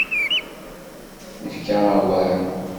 Nefka awal.